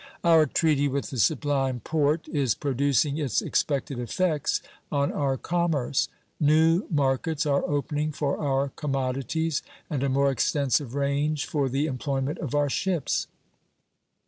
Our treaty with the Sublime Porte is producing its expected effects on our commerce. New markets are opening for our commodities and a more extensive range for the employment of our ships.